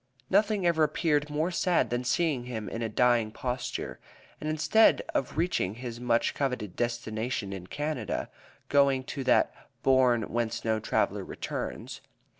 Nothing ever appeared more sad than seeing him in a dying posture, and instead of reaching his much coveted destination in Canada, going to that "bourne whence no traveler returns."